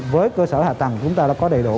với cơ sở hạ tầng chúng ta đã có đầy đủ